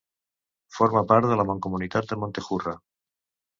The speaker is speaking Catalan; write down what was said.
Forma part de la mancomunitat de Montejurra.